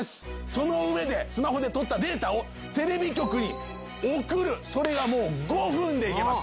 その上でスマホで撮ったデータをテレビ局に送るそれが５分でいけます。